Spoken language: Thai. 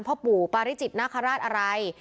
พ่อปู่ปาริจิตนาคาราชอะไร